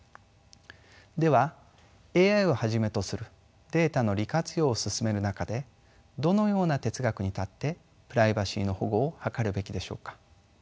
ではＡＩをはじめとするデータの利活用を進める中でどのような哲学に立ってプライバシーの保護を図るべきでしょうか。